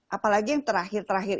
apalagi yang terakhir terakhir